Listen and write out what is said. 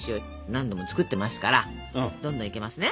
何度も作ってますからどんどんいけますね。